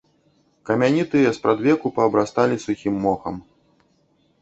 Камяні тыя спрадвеку паабрасталі сухім мохам.